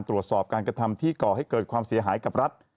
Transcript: ตรวจสอบการกระทำที่ก่อให้เกิดความเสียหายกับรัฐ